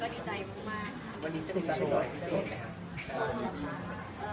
วันนี้จะมีโชว์อะไรพิเศษนะครับ